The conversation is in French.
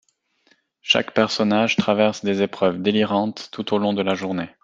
Chaque personnage traverse des épreuves délirantes tout au long de la journée.